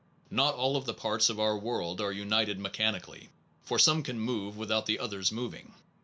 Not all the parts of our world are united mechanically, for some can move without the others moving.